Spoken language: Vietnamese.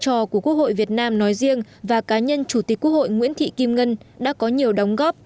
trò của quốc hội việt nam nói riêng và cá nhân chủ tịch quốc hội nguyễn thị kim ngân đã có nhiều đóng góp